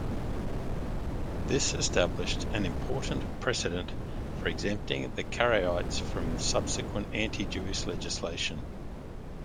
This established an important precedent for exempting the Karaites from subsequent anti-Jewish legislation.